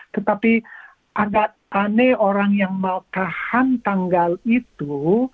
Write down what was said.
tetapi agak aneh orang yang mau tahan tanggal itu